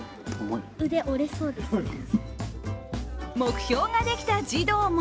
目標ができた児童も。